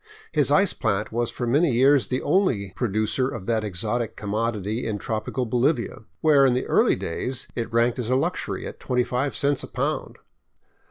His ice plant was for many years the only producer of that exotic commodity in tropical Bolivia, where, in the early days, it ranked as a luxury at 25 cents a pound.